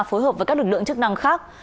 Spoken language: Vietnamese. phối hợp với các lực lượng chức năng khác